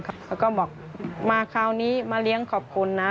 เขาก็บอกมาคราวนี้มาเลี้ยงขอบคุณนะ